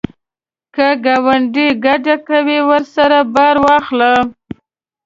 که ګاونډی کډه کوي، ورسره بار واخله